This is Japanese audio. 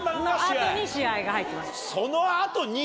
の後に試合が入ってます。